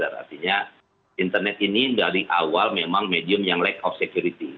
artinya internet ini dari awal memang medium yang lack off security